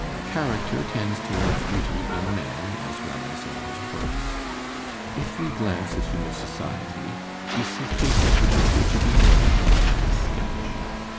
Character tends towards beauty in man as well as in his works. If we glance at human society, we see faces which appear to be nothing more than a sketch.